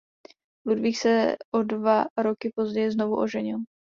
Ludvík se o dva roky později znovu oženil.